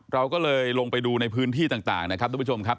เราก็เลยลงไปดูในพื้นที่ต่างนะครับทุกผู้ชมครับ